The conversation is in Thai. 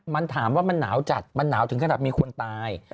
มันถามว่ามันหนาวจัดมันหนาวถึงขนาดมีคนตาย